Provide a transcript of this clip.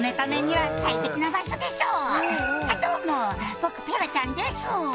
僕ペロちゃんです」